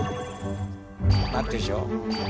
なってるでしょ。